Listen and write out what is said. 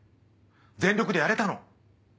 全力でやれたの！